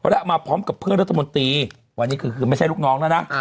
และมาพร้อมกับเพื่อนรัฐมนตรีวันนี้คือไม่ใช่ลูกน้องแล้วนะ